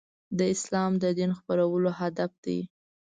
د اسلام د دین خپرول هدف دی.